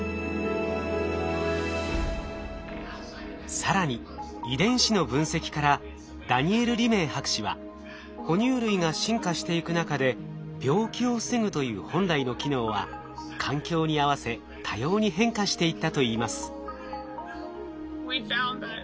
更に遺伝子の分析からダニエル・リメイ博士は哺乳類が進化していく中で病気を防ぐという本来の機能は環境に合わせ多様に変化していったといいます。